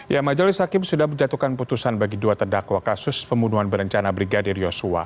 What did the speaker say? ya majelis hakim sudah menjatuhkan putusan bagi dua terdakwa kasus pembunuhan berencana brigadir yosua